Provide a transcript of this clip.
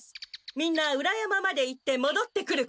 みんなうら山まで行ってもどってくること。